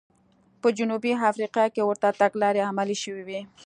په جنوبي افریقا کې هم ورته تګلارې عملي شوې وې.